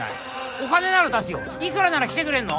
お金なら出すよいくらなら来てくれんの？